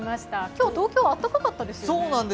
今日、東京はあったかかったですよね。